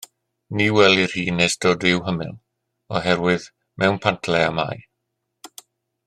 Ni welir hi nes dod i'w hymyl, oherwydd mewn pantle y mae.